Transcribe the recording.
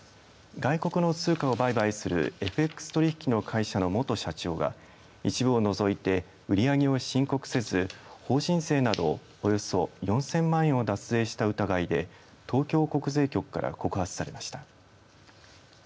外国の通貨を売買するＦＸ取引の会社の元社長が一部を除いて売り上げを申告せず法人税などおよそ４０００万円を脱税した疑いで東京国税局から告発されました。